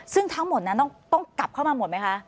ซึ่งทั้งหมดนั้นต้องกลับเข้ามาหมดไหมคะ